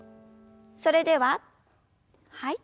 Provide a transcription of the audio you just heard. それでははい。